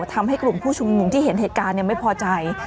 ทำให้กลุ่มผู้ชุมนุมที่เห็นเหตุการณ์ไม่พอใจ